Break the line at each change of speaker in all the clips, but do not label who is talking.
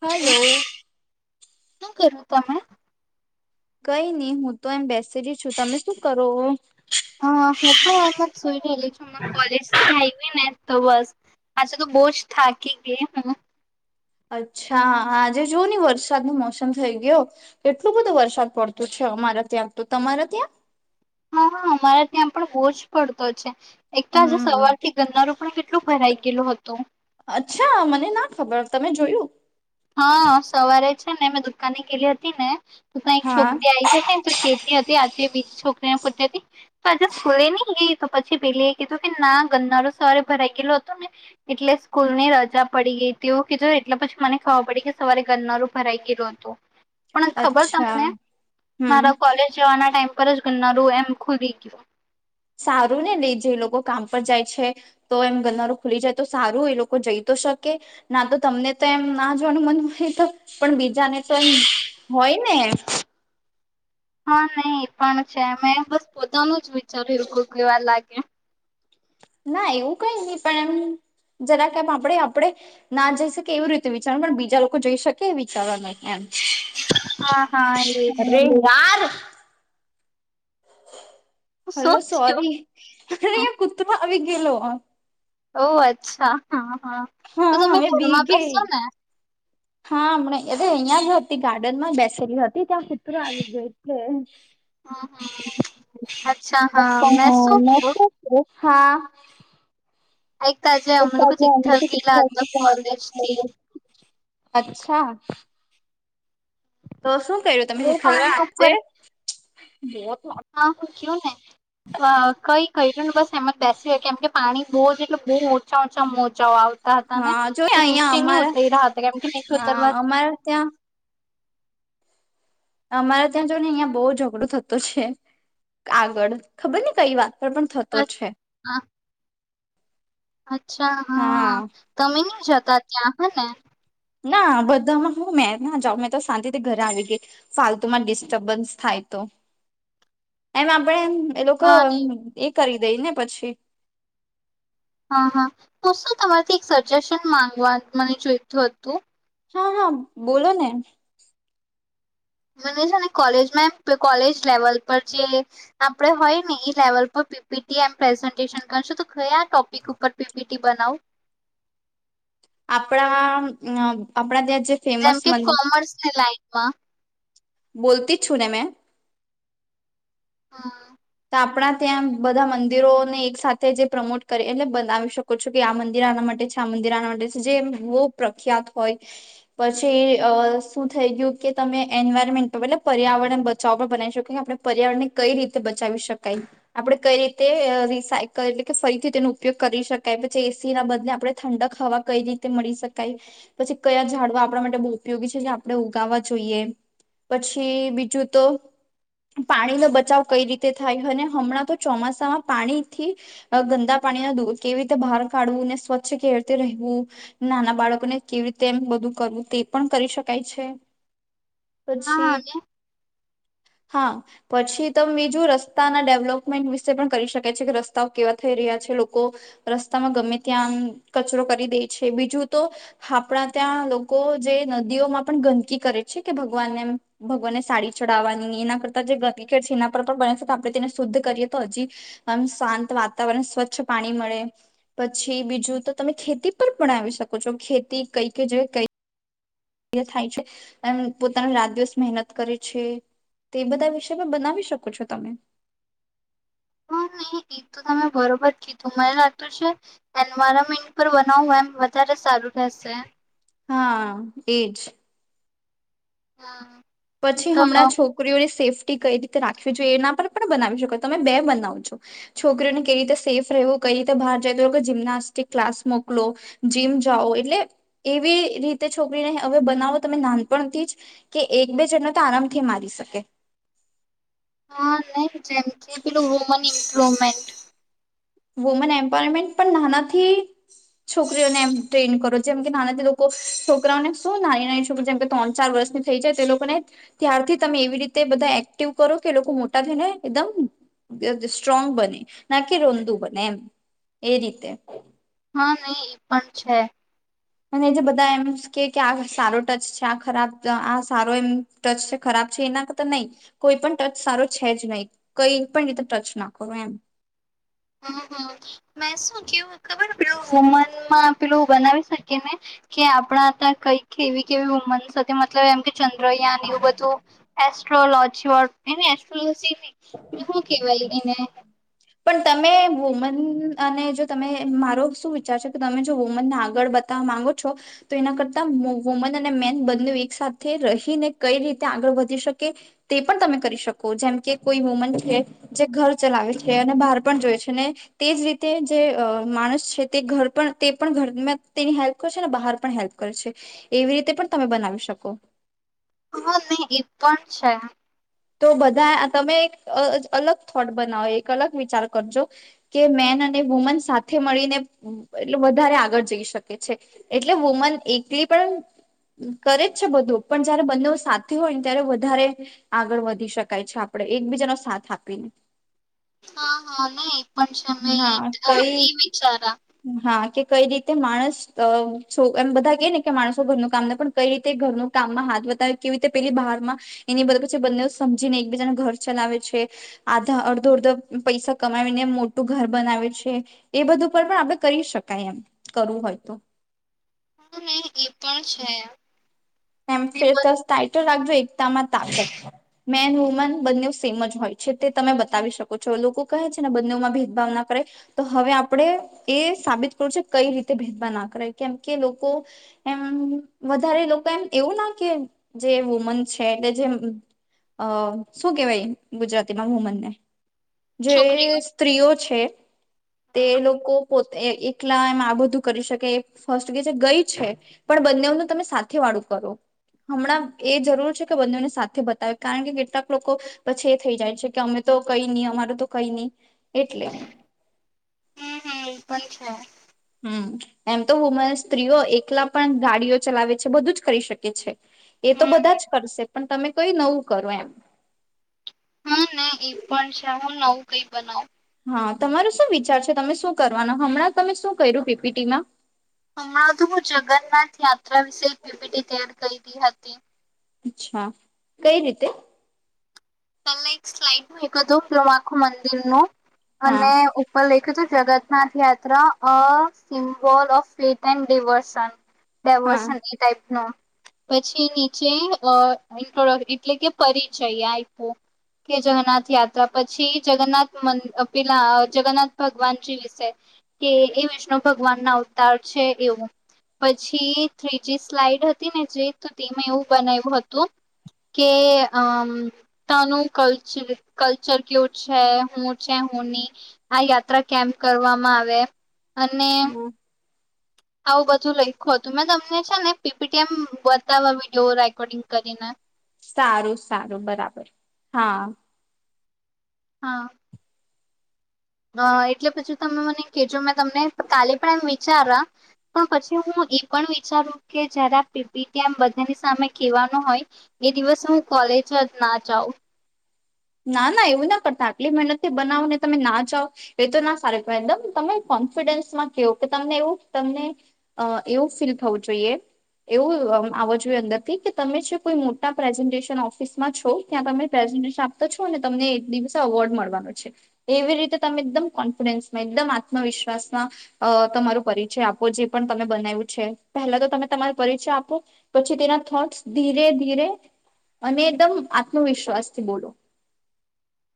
હાલો.
શું કરું, તમે
કંઈ નઈ હું તો એમ બેસે જ છું, તમે શું કરો?
હ હું પણ એમ જ સુઈ ગયેલી છું, હમ કોલેજથી આવીને. તો બસ આજે તો બોસ થાકી ગયા હમ.
અચ્છા આજે જો ને વરસાદ ન મોસમ થઈ ગયો કેટલું બધો વરસાદ પડતું છે. તમારા ત્યાં તો તમારા ત્યાં?
હા અમારા ત્યાં પણ બહુ જ પડતો છે, એક તો આજે
હમ
સવાર થી ગરનાળું પણ કેટલું કેટલું ભરાઈ ગેલુ હતું.
અચ્છા મને ના ખબર તમે જોયું.
હા સવારે છે, ને મેં દુકાની ગેલી હતી ને તું કઈ એક
હા
છોકરી આવી હશે ને ત શેતી હતી, આજે એક છોકરી પુછતી હતી, સ્કૂલે ન ગઈ તો પછી પેલી એ કીધું કે ના ગંદનારો સવારે ગે હતો ને એટલે સ્કૂલ ની રજા પડી ગઈ હતી, એવું કીધું એટલે પછી મને ખબર પડી કે સવારે ગરનાળુ ભરાઈ ગયેલું હતું. પણ ખબર
અચ્છા
તમને
હમ
મારા કોલેજ જવાના ટાઈમ પરજ ગરનાળું એમ ખુલ્લી ગયું.
સારું ને લઈ જે એ લોકો કામ પર જાય છે, તો એમ ગંદરો ખુલી જાય તો સારું એ લોકો જઈ તો શકે ના તો તમને તો એમ ના જોવાનું મન મળે તો પણ બીજાને તો એમ હોય ને.
હા નહી એ પણ છે, મે બસ પોતાનું જ વિચાર્યું કહેવા લાગ્યા.
ના એવું કઈ નહી પણ એમ જરા કેમ આપડે આપણે ના જઈ શકીએ, એવી રીતે વિચારવા પણ બીજા લોકો જઈ શકે, એ વિચારવા ન એમ
હા હા એ
અરે યાર
શું
હલો
થયું
સોરી અરે અં કૂતરુ આવી ગયેલો.
ઓ અચ્છા હા હા તો
હા
તમે
મે બી
ઘરમાં
ગઈ
બેસશો ને!
હા હમણાં અહિયા જ હતી ગાર્ડનમાં જ બેસેલી હતી. ત્યાં કુતરો આવી જાય એટલે
હમ હમ અચ્છા હા મેં શું
આ
કું
હા હા
એક તાજે
એ
અમે લોકો
સાજત
ચિઠ્ઠલ ગીલા હતા કોલેજ થી
[unintelligible] અચ્છા. તો શું કર્યું તમે
બહુ
તિથલ માં
પાણી
આજે?
ઉપર કયોને. કઈ કરીયુ નહી બસ એમમાં બેસી કેમ કે પાણી બહુ જ એટલે બહુ ઓછા ઓછા મોજાઓ આવતા. તા હતા ને
હા જોય
તો નીચે
અહિયાં
ન
અમારા
ઉતરી રહ્યા હતા, કેમ કે નીચે
હા
ઉતરવા જ
અમારે ત્યાં અમારે ત્યાં જો ને અહિયાં બહુ ઝઘડો થતો છે, આગળ ખબર ને કઈ વાત પણ થતો છે,
અચ્છા હા તમે ન જતા ત્યાં હે ને.
ના બધામાં હું મે ના જાવ મેં તો શાંતિથી ઘરે આવી ગઈ ફાલતુમાં ડિસ્ટર્બન્સ થાય તો એમ આપડે એમ. એ લોકો
હા
એ કરી દઈ ને પછી.
હા હા હું શું તમારેથી એક સજેશન માંગવા મને જોઈતું હતું.
હા હા બોલો ને.
મને છે ને કોલેજમાં એ કોલેજ લેવલ પર જે આપડે હોય ને એ લેવલ પર. પીપીટી એમ પ્રેઝન્ટેશન કરશો તો કયા આ ટોપિક ઉપર પીપીટી બનાવુ.
આપણા અ આપણા ત્યાં. જે
જેમ
ફેમસ
કે કોમર્સની લાઈનમાં.
બોલતી જ છુંને મેં.
હા.
તો આપણા ત્યાં બધા મંદિરોને એક સાથે જે પ્રમોટ કરે એટલે બનાવી શકો છો કે આ મંદિર આના માટ ટે છે આ મંદિર આના માટે જે બહુ પ્રખ્યાત હોય પછી શું થઈ ગયું. કે તમે એન્વાયરમેન્ટ પરલે પર્યાવરણ બચાવવા પણ બનાવી શકો કે આપડે પર્યાવરણને કઈ રીતે બ ચાવી શકાય આપડે કઈ રીતે અ રિસાયકલ એટલે કે ફરીથી તેનો ઉપયોગ કરી શકાય પછી એસી. બદલે આપણે ઠંડક હવા કઈ રીતે મળી શકાય પછી કયાઝાડવા આપણા માટે બહુ ઉપયોગી છે જે આપણે. ઉગાવા જોઈએ પછી બીજું તો પાણી નો બચાવ કઈ રીતે. તે થાય અને હમણાં તો ચોમાસામાં પાણી થી ગંદા પાણીના દૂ કેવી રીતે બહાર કાઢવું. ને સ્વચ્છ કેવી રીતે રહેવું નાના બાળકોને કેવી રીતે એમ બધું કરવું તે પણ કરી શકાય છે. પછી
હા
હા પછી તમ બીજું રસ સ્તાના ડેવલપમેન્ટ વિશે પણ કરી શકે છે કે રસ્તાઓ કેવા થઈ રહ્યા છે લોકો રસ્તામાં ગમે ત્યાં. આમ કચરો કરી દે છે બીજું તો આપણા ત્યાં લોકો જે નદીઓમાં પણ ગંદ કી કરે છે કે ભગવાનને અમ ભગવાનને સાડી ચડાવવાની એના કરતા જે ગદી કરે છે એના પર. આપણે તેને શુદ્ધ કરીએ તો હજી અમ શાંત વાતાવરણ સ્વચ્છ પાણી મળે પછી. બીજું તો તમે ખેતી પર પણ આવી શકો છો ખેતી કઈ કે જે કઈ. થાય છે એન પોતાનો રાત દિવસ મહેનત કરે છે. તે બધા વિષયમાં બનાવી શકો છો તમે.
એ તમે બરોબર કીધું મને લાગતું છે એન્વાયરમેન્ટ પર બનાવુ એમ વધારે સારું. રેશે.
હા એજ.
હા.
પછી હમણાં છોકરીઓની સેફ્ કે કઈ રીતે રાખવી જોઈએ એના પર પણ બનાવી શકો તમે બે બનાવ છો છોકરીઓને કવી રીતે સેફ રહેવું. કઈ રીતે બહાર જાય તો જિમનાસ્ટિક ક્લાસ મોકલો જીમ જાઓ એટલે એવી રીતે. છોકરીને હવે બનાવો તમે નાનપણથી જ કે એક. બે જણ ને તો આરામથી મારી શકે.
હા નહી જેમ કે પેલું વુમન ઇમ્પ્રુમેન્ટ.
વુમેન એમ્પરમેન્ટ પણ નાનાથી. છોકરીઓને એમ ટ્રેન કરો જેમ કે નાના જે લોકો છોકરાઓને શું ના ના છોકરી જેમ કે ત્રણ ચાર વર્ષ. ની થઈ જાય તે લોકોને ત્યારથી તમે એવી રીતે બધા એક્ટિવ કરો કે લોકો મોટા થઈને એકદમ. સ્ટ્રોંગ બને ના કે રોંદુ બને એમ એ રીતે.
હા નહી પણ છે.
અને જે બધા એમ કે કે આ સારો ટચ છે આ ખરાબ આ સારો એમ ટચ છે ખરાબ. છે એના કરતા નહી કોઈ પણ ટચ સારો છે જ નહી કઈ પણ રીતે ટચ નાખો એમ. [inaudible]
હમ હમ મે શું કેવું ખબર પેલું વુમનમાં પેલું બનાવી શકી ને. કે આપણા હતા કઈક કેવી કેવી વુમન સાથે મતલબ એમ કે. ચંદ્રયાન એવું બધું એસ્ટ્રોલોજી વાડુ ની ની એસ્ટ્રોલોજી. શું કેવાય એને.
પણ તમે વુમન અને જો તમે મારો શું વિચાર છે કે તમે જો વુમનને આગળ બતાવ. માંગો છો તો એના કરતા વુમન અને મેન બંને એક સાથે રહીને કઈ રીતે આગળ વધ ધી શકે તે પણ તમે કરી શકો જેમ કે. કોઈ વુમન છે જે ઘર ચલાવે છે અને બહાર પણ જોય છે ને તેજ રીતે જે માણસ છે તે ઘર પણ તે પણ ઘરમાં તેની હેલ્પ કરશે ને બહાર પણ હેલ્પ કરશે એવી રીતે પણ તમે બનાવી શકો
હા નહી એ પણ છે
તો બધા તમે એક અ અલગ થોટ બનાવો એક અલગ વિચાર કરજો કે મે ન અને વુમન સાથે મળીને એટલે વધારે આગળ જઈ શકે છે એટલે વુમન એક એ પણ કરે જ છે બધું પણ જયારે બંનેવ સાથે હોય ને ત્યારે વધારે આગળ વધી શકાય છે આપણે એકબીજાનો સાથ આપીને
હા હા નઈ એ પણ છે મે
હા
ઈ
કઈ
એ વિચારા
હા કે કઈ રીતે માણસ અ છો એમ બધા કે ને કે માણસો ઘરનું કામ ન પણ કઈ રીતે ઘરનું કામમાં હાથ બતાવે કેવી રીતે પેલી બહારમા એની [unintelligible] પછી બંને સમજીને એકબીજા ઘર ચલાવે છે આધા અડધો અડધો પૈસા કમાવીને મો મોટુ ઘર બનાવે છે એ બધું પર પણ આપણે કરી શકાય એમ કરવું હોય તો
હા નહી એ પણ છે એ
[unintelligible] એકતામાં તાકાત મેન વુમન બંને સેમ જ હોય છે તે તમે બતાવી શકો છો લોકો કહે છે ને બંનેવમાં ભેદભાવ ના કરે તો હવે આપડે એ સાબિત કરું છે કઈ રીતે ભેદભાવ ના કર કરે કેમ કે લોકો એમ વધારે લોકો એમ એવું ના કે જે વુમન છે એટલે જેમ અ શું કેવાય ગુજરાતીમાં વુમનને જે
છોકરીઓ
સ્ત્રીઓ છે તે લોકો પો એકલા એમ આ બધું કરી શકે એ ફર્સ્ટ ગે છે ગઈ છે પણ બંનેનું તમે સાથે વાળું કરો હમણાં એ જરૂર છે કે બંનેવને સાથે બતાવે કારણ કે કેટલાક લોકો પછી એ થઈ જાય છે કે અમે તો તો કઈ નહી અમારું તો કઈ નહી એટલે
હમ્મ હમ્મ એ પણ છે
હમ્મ એમ તો વુમન સ્ત્રીઓ એકલા પણ ગાડીઓ ચલાવે છે બધું જ કરી શકે છે એ તો
હમ
બધા જ કરશે પણ તમે કઈ નવું કરો એમ
હા ના એ પણ છે હું નવું કઈ બનાવું
હા તમારો શું વિચાર છે તમે શું કરવાના હમણાં તમે શું કર્યું પીપીટીમાં
હમણાં તો હું જગન્નાથ યાત્રા વિશે એક પીપીટી તૈયાર કયરી હતી
અચ્છા કઈ રીતે
તમને એક સ્લાઈડ મોકલ્યું તુ તેમ આખું મંદિરનું
હા
અને ઉપર લખ્યું તું જગતનાથ યાત્રા ત્રા a symbol of faith and diversion
હા
ડેવોર્સન એ ટાઈપ નું પછી નીચે અ ઇન્ટ્રોડ એટલે કે પરિચય આઇપો કે જગન્નાથ યાત્રા પછી જગન્નાથ મન પેલા જગન્નાથ ભગવાનજી વિશે કે એ વિષ્ણુ ભગવાનના અવતાર છે એવું પછી ત્રીજી સ્લાઈડ હતી ને જે તો તેમાં એવું બનાઈવું હતું કે અમ તા નું કલ્ચર કલ્ચર કેવું છે હું છે હું નઈ આ યાત્રા કેમ કરવામાં આવે અને
હ
આવું બધું લઈખુ હતું મેં તમને છે ને પીપીટીએમ બતાવા વિડીયો રેકોર્ડિંગ કરીને
સારું સારું બરાબર હા.
હા અ એટલે પછી તમે મને કેજો મેં તમને કાલે પણ એમ વિચારા પણ પછી હું એ પણ વિચારું કે જ્યારે આ પી પી ટી બધાની સામે કેવાનો હોય એ દિવસ હું કોલેજ જ ના જાઉં.
ના ના એવું ના કરતા આટલી મહેનતથી બનાવો ને તમે ના જાવ એ તો ના સારું કેવાય એકદમ તમે કોન્ફિડન્સમાં કેવું કે તમને એવું તમને એવું ફીલ થવું જોઈએ. એવું આવ જોઈએ અંદર થી કે તમે જે કોઈ મોટા પ્રેઝન્ટેશન ઓફિસમાં છો ત્યાં તમે પ્રેઝન્ટેશન આપ છો ને તમને એક દિવસે અવોર્ડ મળવાનો છે. એવી રીતે તમે એકદમ કોન્ફિડન્સમાં એકદમ આત્મવિશ વિશ્વાસમાં તમારું પરિચય આપો જે પણ તમે બનાવ્યું છે પહેલા તો તમે તમારો પરિચય આપો પછી તેના થોટસ ધીરે ધીરે અને એકદમ આત્મવિશ્વાસથી બોલો.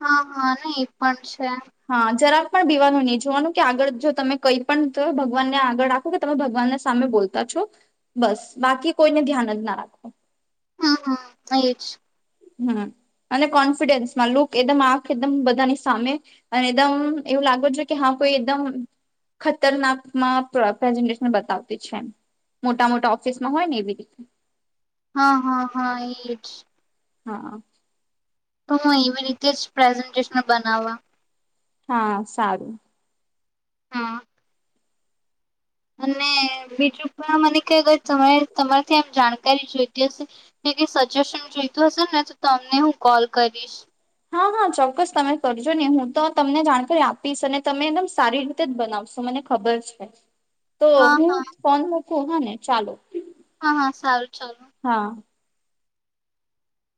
હા હા ન એ પણ છે.
હા જરા. પણ બીવાનું નહીં જોવાનું કે આગળ જો તમે કઈ પણ ભગવાનને આગળ રાખો કે તમે ભગવાન સામે બોલતા છો. બસ બાકી કોઈને ધ્યાન જ ના રાખવું.
હમ હા એજ.
હમ્મ. અને કોન્ફિડન્સમાં લુક એકદમ આંખ એકદમ બધાની સામે અને એકદમ એવું લાગો જો કે હા એકદમ ખતરનાકમાં પ્રેઝન્ટેશન બતાવતી છે એમ. મોટા મોટા ઓફિસ માં હોય ને એવી રીતે.
હા હા હા એ જ.
હાં.
તો હું એવી રીતે જ પ્રેઝન્ટેશન બનાવવા.
હા સારું.
હા અને બીજું પણ મને ક તમારાથી એમ જાણકારી જોઈતી હશે. સજેશન જોઈત હશે ને તો તમને હું કોલ કરીશ.
હા હા ચોક્કસ તમે કરજો નને હું તો તમને જાણકારી આપીશ અને તમે એકદમ સારી રીતે જ બનાવશો. મને ખબર છે તો
હા
હું
હા
ફોન મૂકું હા ને ચાલો.
હા હા સારું સારું.
હાં.